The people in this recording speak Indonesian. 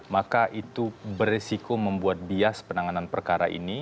maka itu beresiko membuat bias penanganan perkara ini